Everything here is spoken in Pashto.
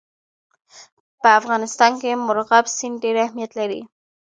په افغانستان کې مورغاب سیند ډېر اهمیت لري.